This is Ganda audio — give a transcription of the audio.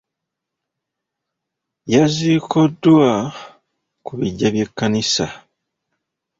Yaziikoddwa ku biggya by'ekkanisa.